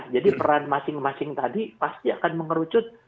jadi peran masing masing tadi pasti akan mengerucut